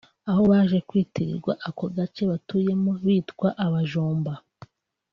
aho baje kwitirirwa ako gace batuyemo bitwa abajomba